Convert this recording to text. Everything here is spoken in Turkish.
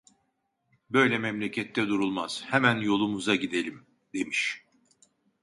Böyle memlekette durulmaz, hemen yolumuza gidelim! demiş.